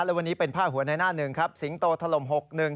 แล้ววันนี้เป็นผ้าหัวในหน้าหนึ่งครับสิงโตทะลมหกหนึ่ง